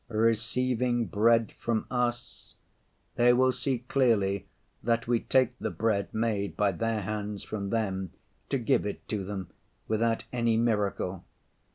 " 'Receiving bread from us, they will see clearly that we take the bread made by their hands from them, to give it to them, without any miracle.